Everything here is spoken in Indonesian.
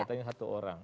katanya satu orang